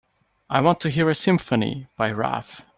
I want to hear a symphony by Raf